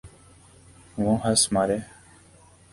وہ ہنس مارے۔